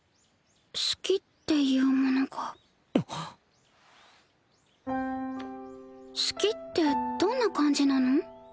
好きっていうものが好きってどんな感じなの？